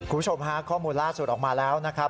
คุณผู้ชมฮะข้อมูลล่าสุดออกมาแล้วนะครับ